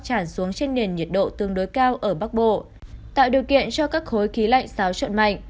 tràn xuống trên nền nhiệt độ tương đối cao ở bắc bộ tạo điều kiện cho các khối khí lạnh xáo trộn mạnh